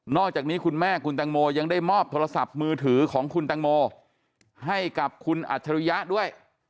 อกจากนี้คุณแม่คุณตังโมยังได้มอบโทรศัพท์มือถือของคุณตังโมให้กับคุณอัจฉริยะด้วย